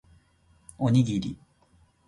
おにぎり